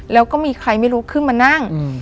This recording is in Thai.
แล้วก็มีใครไม่รู้ขึ้นมานั่ง